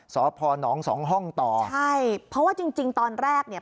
สพนสองห้องต่อใช่เพราะว่าจริงจริงตอนแรกเนี่ย